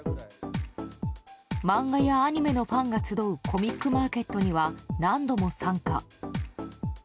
漫画やアニメのファンが集うコミックマーケットには何度も参加。